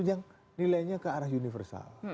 yang nilainya ke arah universal